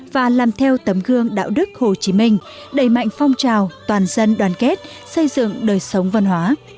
và làm theo tấm gương đạo đức hồ chí minh đẩy mạnh phong trào toàn dân đoàn kết xây dựng đời sống văn hóa